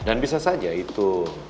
dan bisa saja itu